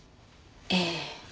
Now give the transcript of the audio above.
ええ。